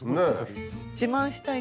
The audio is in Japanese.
自慢したいし。